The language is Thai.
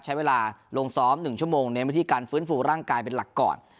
ใช้เวลาลงซ้อม๑ชั่วโมงเน้นวิธีการฟื้นฟูร่างกายเป็นหลักก่อน